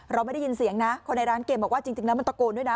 ไม่ได้ยินเสียงนะคนในร้านเกมบอกว่าจริงแล้วมันตะโกนด้วยนะ